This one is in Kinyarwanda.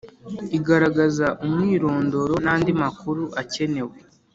igaragaza umwirondoro nandi makuru akenewe